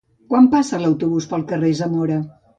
Quan passa l'autobús pel carrer Zamora?